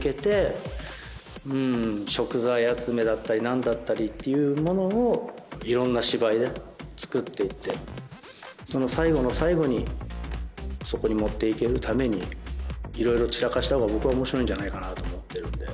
だったり何だったりっていうものをいろんな芝居でつくって行ってその最後の最後にそこに持って行けるためにいろいろ散らかしたほうが僕は面白いんじゃないかなと思ってるんで。